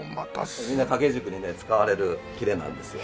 みんな掛け軸にね使われる裂なんですよ。